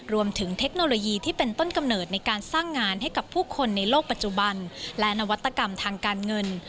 เทคโนโลยีที่เป็นต้นกำเนิดในการสร้างงานให้กับผู้คนในโลกปัจจุบันและนวัตกรรมทางการเงิน